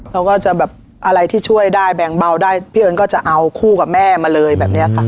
เราก็จะแบบอะไรที่ช่วยได้แบ่งเบาได้พี่เอิญก็จะเอาคู่กับแม่มาเลยแบบนี้ค่ะ